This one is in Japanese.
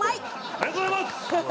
ありがとうございます！